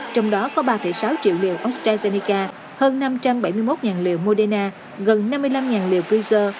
trong đó có ba sáu triệu liều ostrazeneca hơn năm trăm bảy mươi một liều moderna gần năm mươi năm liều prezer